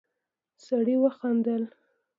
سړی وخندل.